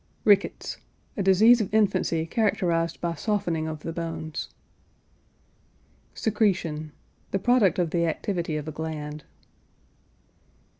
RICKETS. A disease of infancy characterized by softening of the bones. SECRETION. The product of the activity of a gland.